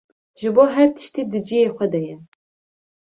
ji bo her tiştî di cihê xwe de ye.